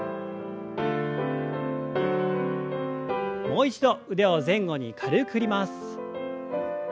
もう一度腕を前後に軽く振ります。